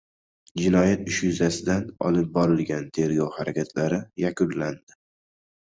Jinoyat ishi yuzasidan olib borilgan tergov harakatlari yakunlandi